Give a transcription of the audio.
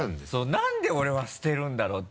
なんで俺は捨てるんだろうって。